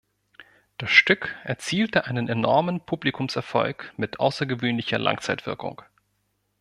Das Stück erzielte einen enormen Publikumserfolg mit außergewöhnlicher Langzeitwirkung.